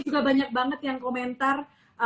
juga banyak banget yang komentar